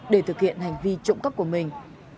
để thực hiện hành vi trộm cắp của mình